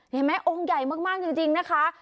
เห็นไหมองค์ใหญ่มากจริงนะคะ